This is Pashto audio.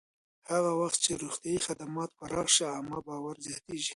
هغه وخت چې روغتیایي خدمات پراخ شي، عامه باور زیاتېږي.